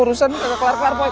urusan kelar kelar poh